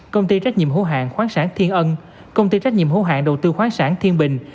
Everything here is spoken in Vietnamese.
công ty trách nhiệm hữu hạng khoáng sản thiên ân công ty trách nhiệm hữu hạng đầu tư khoáng sản thiên bình